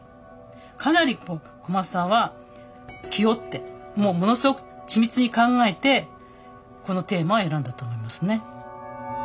かなり小松さんは気負ってもうものすごく緻密に考えてこのテーマを選んだと思いますね。